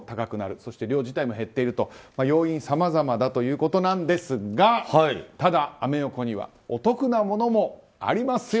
そして漁自体も減っていると要因さまざまだということですがただ、アメ横にはお得なものもありますよ